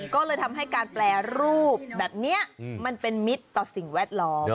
ก็เลยทำให้การแปรรูปแบบนี้มันเป็นมิตรต่อสิ่งแวดล้อม